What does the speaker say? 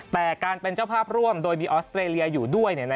แต่การเป็นเจ้าภาพร่วมโดยมีออสเตรเลียอยู่ด้วย